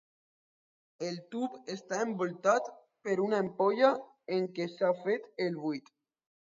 El tub està envoltat per una ampolla en què s'ha fet el buit.